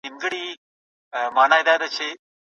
څومره چې وس لرئ هغومره وکړئ.